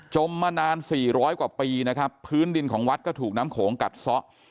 มานานสี่ร้อยกว่าปีนะครับพื้นดินของวัดก็ถูกน้ำโขงกัดซะ